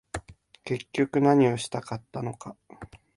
結局何をしたかったのか